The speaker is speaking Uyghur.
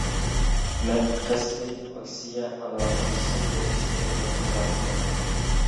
مەن كەسپىي ئاكسىيە ئانالىزچىسى بولۇشنى ئۈمىد قىلاتتىم.